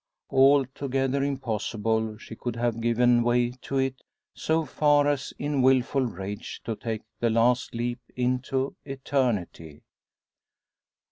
Altogether impossible she could have given way to it so far as in wilful rage to take the last leap into eternity.